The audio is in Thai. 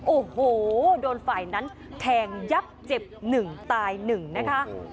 โอ้โหโดนฝ่ายนั้นแทงยับเจ็บ๑ตาย๑นะคะ